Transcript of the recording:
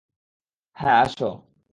হ্যাঁ, আসো।